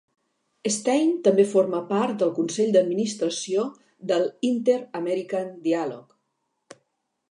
Stein també forma part del consell d'administració del Inter-American Dialogue.